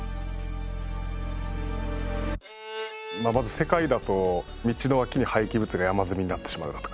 世界だと道の脇に廃棄物が山積みになってしまうだとか。